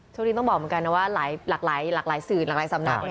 โชคดีต้องบอกเหมือนกันนะว่าหลักสื่อหลักสำนัก